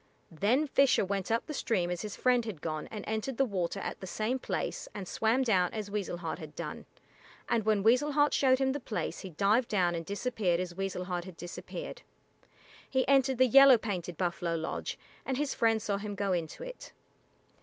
Then Fisher went up the stream as his friend had gone and entered the water at the same place and swam down as Weasel Heart had done, and when Weasel Heart showed him the place he dived down and disappeared as Weasel Heart had disappeared. He entered the yellow painted buffalo lodge, and his friend saw him go into it.